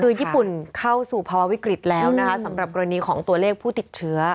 คือญี่ปุ่นเข้าสู่ภาวะวิกฤตแล้วนะคะสำหรับกรณีของตัวเลขผู้ติดเชื้อ